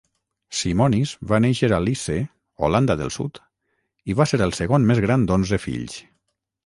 Simonis va néixer a Lisse (Holanda del Sud) i va ser el segon més gran d'onze fills.